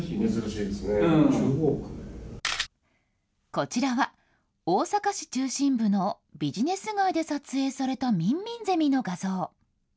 こちらは、大阪市中心部のビジネス街で撮影されたミンミンゼミの画像。